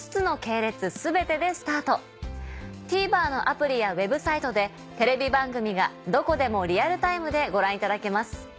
ＴＶｅｒのアプリやＷｅｂサイトでテレビ番組がどこでもリアルタイムでご覧いただけます。